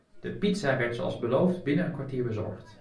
De pizza werd zoals beloofd binnen een kwartier bezorgd.